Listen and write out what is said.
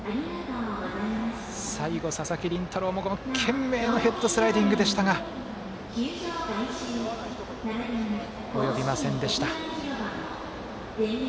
最後、佐々木麟太郎も懸命なヘッドスライディングでしたが及びませんでした。